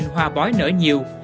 hoa bói nở nhiều